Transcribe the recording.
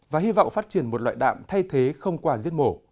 và hy vọng phát triển một loại đạm thay thế không quả giết mổ